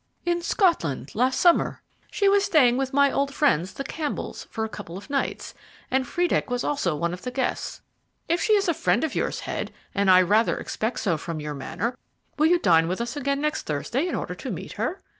"In Scotland last summer. She was staying with my old friends, the Campbells, for a couple of nights, and Friedeck was also one of the guests. If she is a friend of yours, Head and I rather expect so from your manner will you dine with us again next Thursday in order to meet her?